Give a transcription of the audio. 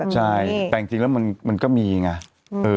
ใช่แต่จริงแล้วมันก็มีไง